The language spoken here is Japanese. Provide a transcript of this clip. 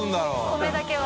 米だけは。